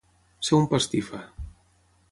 Ser un pastifa.